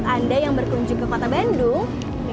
anda yang berkunjung ke kota bandung